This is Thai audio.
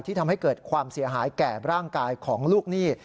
ทำให้เกิดความเสียหายแก่ร่างกายของลูกหนี้